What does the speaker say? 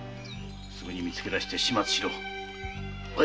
すぐに見つけて始末しろ！